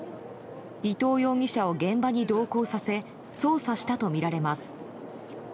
伊藤容疑者を現場に同行させ捜査したとみられます。